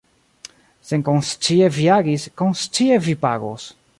Senkonscie vi agis, konscie vi pagos.